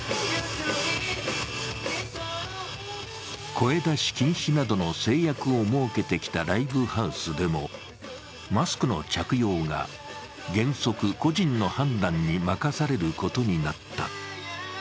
声出し禁止などの制約を設けてきたライブハウスでもマスクの着用が原則、個人の判断に任されることになった。